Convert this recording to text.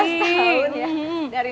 tiga belas tahun ya dari